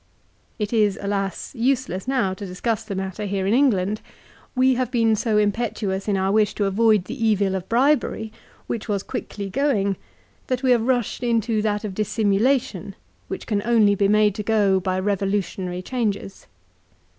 f ' It is, alas, useless now to discuss the matter here in England. We have been so impetuous in our wish to avoid the evil of bribery, which was quickly going, that we have rushed into that of dissimulation, which can only be made to go by revolutionary changes.